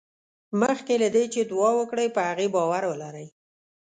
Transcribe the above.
مخکې له دې چې دعا وکړې په هغې باور ولرئ.